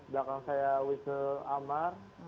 belakang saya wisnu amar